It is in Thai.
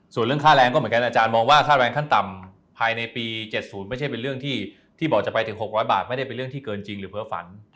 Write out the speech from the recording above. ส่วนเรื่องค่าแรงก็เหมือนกันอาจารย์มองว่าค่าแรงขั้นต่ำภายในปี๗๐ไม่ใช่เป็นเรื่องที่บอกจะไปถึง๖๐๐บาทไม่ได้เป็นเรื่องที่เกินจริงหรือเผลอฝัน